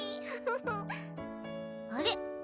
あれ？